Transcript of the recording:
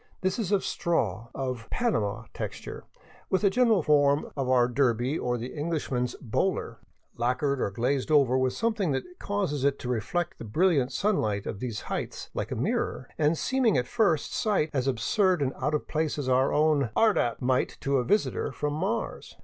This is of straw, of *' Panama " texture, with the general form of our derby or the Englishman's " bowler," lacquered or glazed over with something that causes it to reflect the brilliant sunlight of these heights like a mirror, and seeming at first sight as absurd and out of place as our own " 'ard 'at " might to a visitor from Mars.